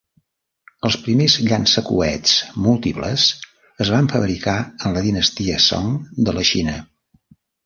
Els primers llançacoets múltiples es van fabricar en la dinastia Song de la Xina.